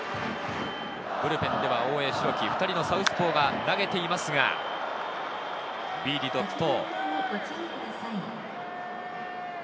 ブルペンでは大江、代木、２人のサウスポーが投げていますが、ビーディ続投。